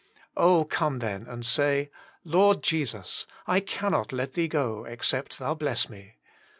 Oh! come then and say: «<Lord Jesus, I cannot let Thee go except Thou bless me."